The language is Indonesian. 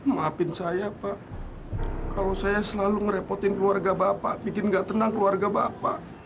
maafin saya pak kalau saya sebelum repotin keluarga bapak bikin ga tenang keluarga bapak